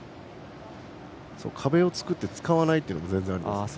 壁を作って使わないというのは全然ありですね。